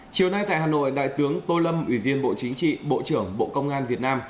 chiều nay tại hà nội đại tướng tô lâm ủy viên bộ chính trị bộ trưởng bộ công an việt nam